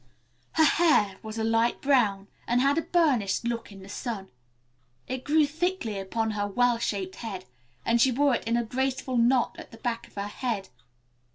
Her hair was light brown and had a burnished look in the sun. It grew thickly upon her well shaped head, and she wore it in a graceful knot at the back of her head.